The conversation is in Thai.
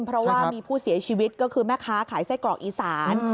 เพราะว่ามีผู้เสียชีวิตก็คือแม่ค้าขายไส้กรอกอีสาน